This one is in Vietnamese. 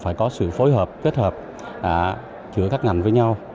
phải có sự phối hợp kết hợp giữa các ngành với nhau